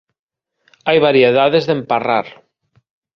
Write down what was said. Hai variedades de emparrar.